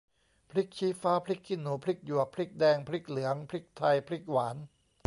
พริกชี้ฟ้า พริกขี้หนู พริกหยวก พริกแดง พริกเหลือง พริกไทย พริกหวาน